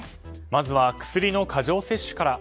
まずは薬の過剰摂取から。